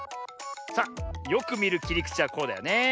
さあよくみるきりくちはこうだよね。